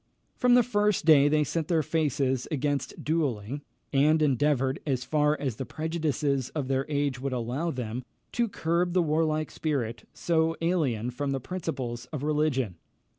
From the first they set their faces against duelling, and endeavoured, as far as the prejudices of their age would allow them, to curb the warlike spirit, so alien from the principles of religion.